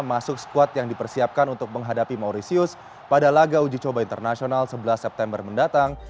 masuk skuad yang dipersiapkan untuk menghadapi mauritius pada laga uji coba internasional sebelas september mendatang